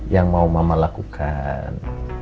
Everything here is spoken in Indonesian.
yang mau mama lakukan